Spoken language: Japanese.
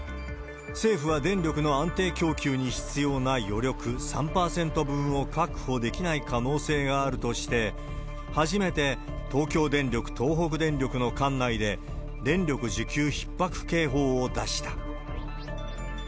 政府は電力の安定供給に必要な余力３％分を確保できない可能性があるとして、初めて東京電力・東北電力の管内で電力需給ひっ迫警報を出した。